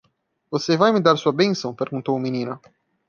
"Você vai me dar sua bênção?", perguntou o menino.